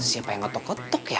siapa yang otot otot ya